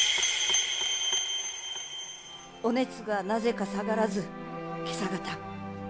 お熱がなぜか下がらず今朝方。